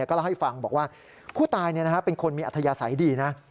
ก็เล่าให้ฟังบอกว่าผู้ตายเป็นคนมีอัธยาศัยดีนะ